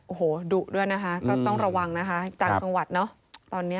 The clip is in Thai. โอ้โหดุด้วยนะคะก็ต้องระวังนะคะต่างจังหวัดเนอะตอนนี้